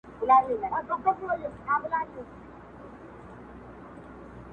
د ژوند پر دغه سُر ږغېږم، پر دې تال ږغېږم,